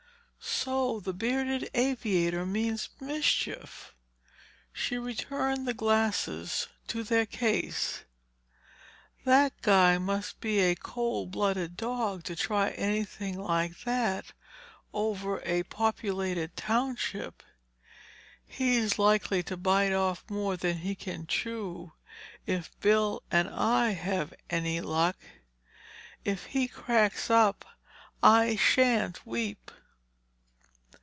"So the bearded aviator means mischief!" She returned the glasses to their case. "That guy must be a cold blooded dog to try anything like that over a populated township. He's likely to bite off more than he can chew if Bill and I have any luck. If he cracks up, I shan't weep."